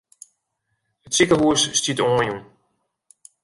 It sikehûs stiet oanjûn.